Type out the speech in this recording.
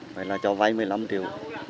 phải là cho vay một mươi năm triệu